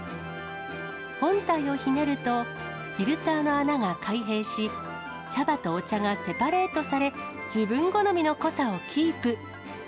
本体をひねると、フィルターの穴が開閉し、茶葉とお茶がセパレートされ、自分好みの濃さをキープ。